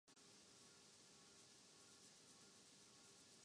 نون league برے دنوں میں گھری ہوئی ہے۔